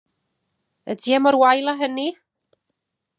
Ydi e mor wael â hynny?